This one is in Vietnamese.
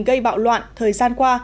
gây bạo loạn thời gian qua